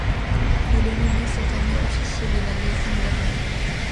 Il est nommé cette année officier de la Légion d'honneur.